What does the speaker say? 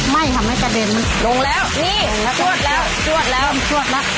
ไม่ทำให้กระเด็นลงแล้วนี่ชวดแล้วชวดแล้วชวดแล้ว